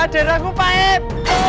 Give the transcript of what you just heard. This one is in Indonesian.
dengan aku pahit